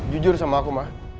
jujur sama aku ma